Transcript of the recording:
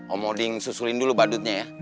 om odin susulin dulu badutnya ya